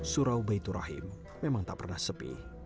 surau baitur rahim memang tak pernah sepi